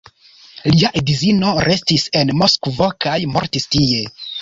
Lia edzino restis en Moskvo kaj mortis tie.